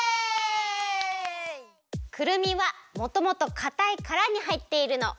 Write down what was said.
くるみはもともとかたいカラにはいっているの！